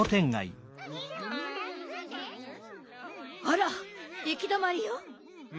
あらいきどまりよ。